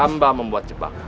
amba membuat jebakan